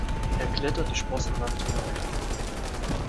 Er klettert die Sprossenwand hinauf.